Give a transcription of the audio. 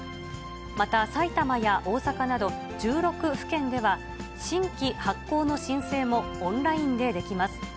また、埼玉や大阪など、１６府県では新規発行の申請もオンラインでできます。